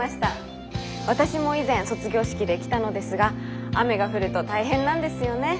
私も以前卒業式で着たのですが雨が降ると大変なんですよね。